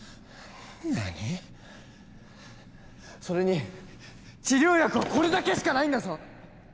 それに治療薬はこれだけしかないんだぞ